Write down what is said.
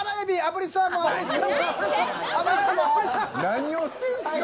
何をしてんですか。